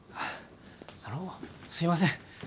あのすいません。